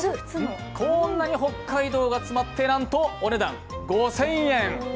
こんなに北海道が詰まってなんとお値段５０００円。